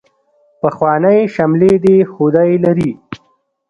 پخوانۍ شملې دې خدای لري.